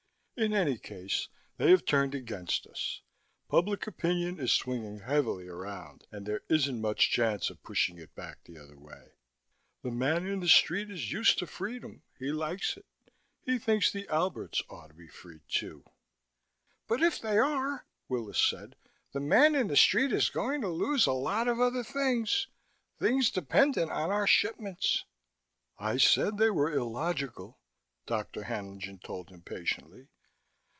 "In any case, they have turned against us. Public opinion is swinging heavily around, and there isn't much chance of pushing it back the other way. The man in the street is used to freedom. He likes it. He thinks the Alberts ought to be free, too." "But if they are," Willis said, "the man in the street is going to lose a lot of other things things dependent on our shipments." "I said they were illogical," Dr. Haenlingen told him patiently.